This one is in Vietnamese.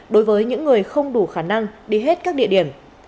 đối với những người không đủ khả năng đi hết các địa điểm